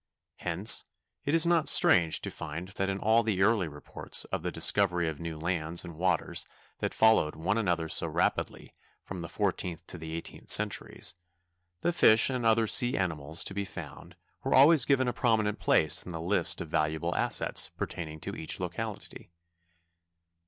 Hence it is not strange to find that in all the early reports of the discovery of new lands and waters that followed one another so rapidly from the fourteenth to the eighteenth centuries, the fish and other sea animals to be found were always given a prominent place in the list of valuable assets pertaining to each locality.